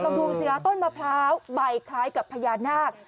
ต้องดูเสื้อต้นมะพร้าวใบคล้ายกับพญานาค